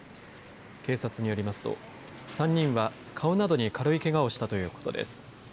警察によりますと３人は顔などに軽いけがをしたということです。